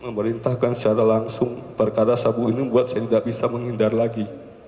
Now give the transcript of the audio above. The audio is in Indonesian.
memerintahkan secara langsung perkara sabu ini membuat saya tidak bisa menghindar lagi